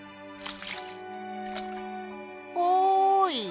おい！